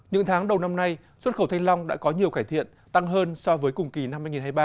những tháng đầu năm nay xuất khẩu thanh long đã có nhiều cải thiện tăng hơn so với cùng kỳ năm hai nghìn hai mươi ba